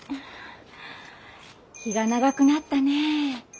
日が長くなったねえ。